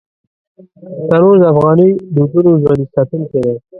تنور د افغاني دودونو ژوندي ساتونکی دی